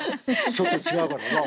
ちょっと違うからな。